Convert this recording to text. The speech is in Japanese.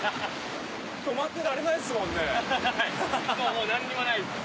もう何にもない。